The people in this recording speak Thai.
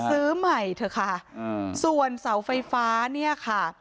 ซื้อใหม่เถอะค่ะส่วนเสาไฟฟ้าเนี่ยค่ะ